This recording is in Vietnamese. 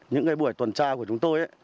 những ngày buổi tuần tra của chúng tôi